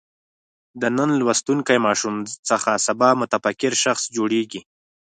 د نن لوستونکی ماشوم څخه سبا متفکر شخص جوړېږي.